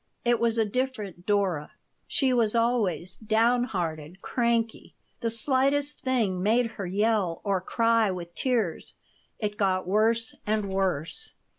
It was a different Dora. She was always downhearted, cranky. The slightest thing made her yell or cry with tears. It got worse and worse.